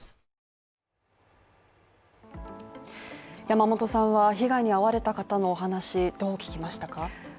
山本さんは被害に遭われた方のお話どう聞きましたか。